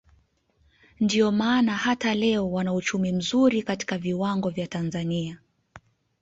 Ndio maana hata leo wana uchumi mzuri katika viwango vya Tanzania